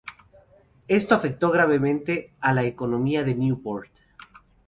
Esto afectó gravemente a la economía de Newport.